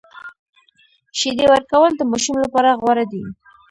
شیدې ورکول د ماشوم لپاره غوره دي۔